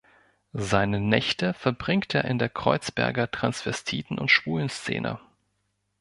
Seine Nächte verbringt er in der Kreuzberger Transvestiten- und Schwulenszene.